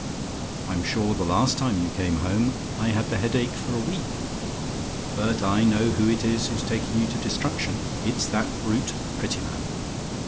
I'm sure the last time you came home, I had the headache for a week. But I know who it is who's taking you to destruction. It's that brute, Prettyman.